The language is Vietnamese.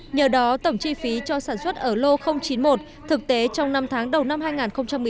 nhờ đó tổng chi phí cho sản xuất ở lô chín mươi một thực tế trong năm tháng đầu năm hai nghìn một mươi chín